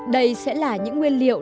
đây sẽ là những nguyên liệu